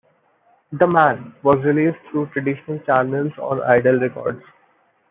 "The Man" was released through traditional channels on Idol Records.